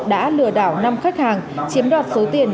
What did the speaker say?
đã lừa đảo năm khách hàng chiếm đoạt số tiền